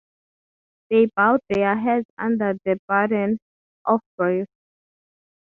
They bowed their heads under the burden of grief.